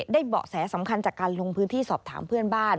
เบาะแสสำคัญจากการลงพื้นที่สอบถามเพื่อนบ้าน